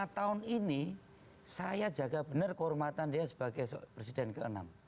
lima tahun ini saya jaga benar kehormatan dia sebagai presiden ke enam